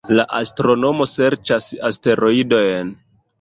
La astronomo serĉas asteroidojn